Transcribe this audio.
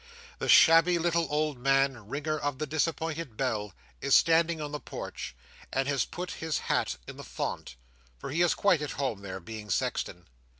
The shabby little old man, ringer of the disappointed bell, is standing in the porch, and has put his hat in the font—for he is quite at home there, being sexton.